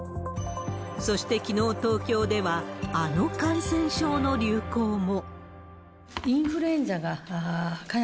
そして、きのう東京ではあの感染症の流行も。